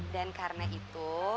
dan karena itu